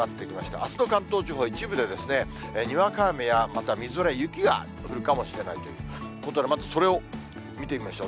あすの関東地方、一部でにわか雨や、またみぞれ、雪が降るかもしれないということで、まずそれを見てみましょう。